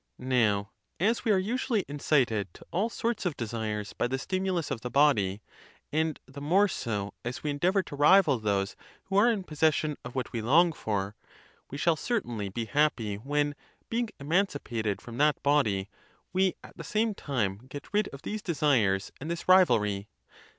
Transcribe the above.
Now, as we are usually incited to all sorts of desires by the stimulus of the body, and the more so as we endeavor to rival those who are in possession of what we long for, we shall certainly be happy when, being emancipated from that body, we at the same time get rid of these desires and this rivalry.